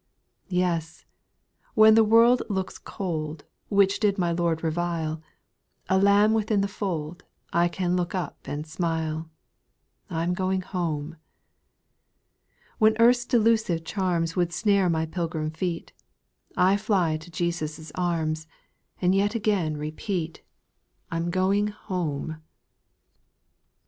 Yes 1 when the world looks cold, Which did my Lord revile, A lamb within the fold, I can look up and smile. I 'm going home. 6. When earth's delusive charms Would snare my pilgrim feet, I fly to Jesus* arms, And yet again repeat, I 'm going home.